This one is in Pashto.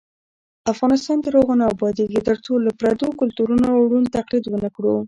افغانستان تر هغو نه ابادیږي، ترڅو له پردیو کلتورونو ړوند تقلید ونکړو.